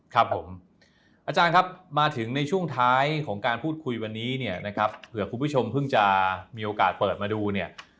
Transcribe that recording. ครับผมอาจารย์ครับมาถึงในช่วงท้ายของการพูดคุยวันนี้เนี่ยนะครับเผื่อคุณผู้ชมเพิ่งจะมีโอกาสเปิดมาดูเนี่ย